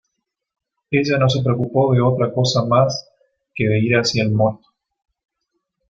Ella no se preocupó de otra cosa más que de ir hacia el muerto.